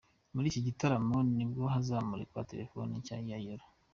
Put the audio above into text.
Muri iki gitaramo ni bwo hazamurikwa telephone nshya ya Yolo.